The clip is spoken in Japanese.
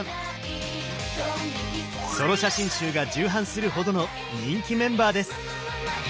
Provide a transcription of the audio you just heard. ソロ写真集が重版するほどの人気メンバーです。